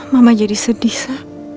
mama jadi sedih sang